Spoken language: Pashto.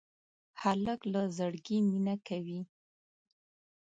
هلک له زړګي مینه کوي.